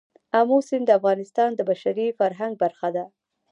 آمو سیند د افغانستان د بشري فرهنګ برخه ده.